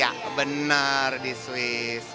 ya benar di swiss